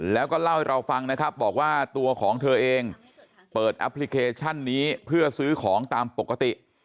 แล้วก็เล่าให้เราฟังนะครับบอกว่าตัวของเธอเองเปิดแอปพลิเคชันนี้เพื่อซื้อของตามปกติ